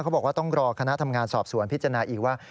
บอกว่าต้องรอคณะทำงานสอบสวนพิจารณาอีกว่า